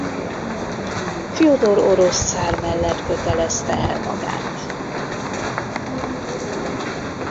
Fjodor orosz cár mellett kötelezte el magát.